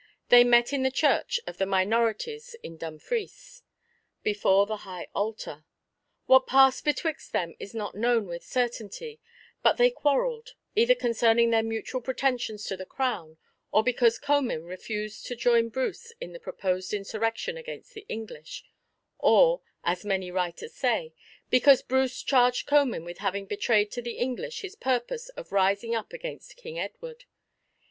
They met in the Church of the Minorites in Dunfries, before the high altar. What passed betwixt them is not known with certainty; but they quarrelled, either concerning their mutual pretensions to the Crown, or because Comyn refused to join Bruce in the proposed insurrection against the English; or, as many writers say, because Bruce charged Comyn with having betrayed to the English his purpose of rising up against King Edward.